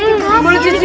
gak boleh dicicipin